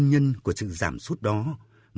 một phần do sự khủng hoảng của đại dịch